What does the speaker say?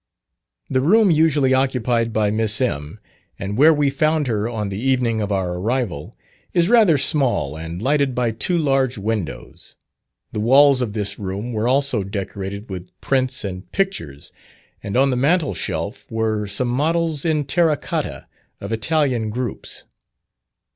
The room usually occupied by Miss M., and where we found her on the evening of our arrival, is rather small and lighted by two large windows. The walls of this room were also decorated with prints and pictures, and on the mantle shelf were some models in terra cottia of Italian groups.